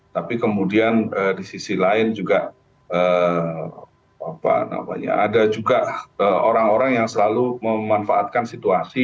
tapi kemudian di sisi lain juga ada juga orang orang yang selalu memanfaatkan situasi